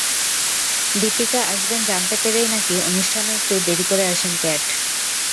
দীপিকা আসবেন জানতে পেরেই নাকি অনুষ্ঠানে একটু দেরি করে আসেন ক্যাট।